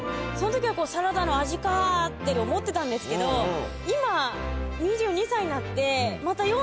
その時はサラダの味かって思ってたんですけど今。